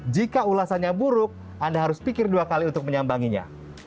jika ulasannya buruk anda harus pikir dua kali untuk menyambanginya